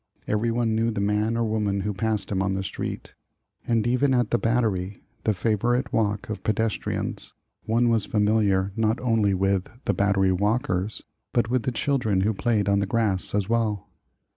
Everyone knew the man or woman who passed him on the street, and even at the Battery, the favorite walk of pedestri ans, one was familiar not only with ''the Battery walkers," but with the children who played on the grass as well.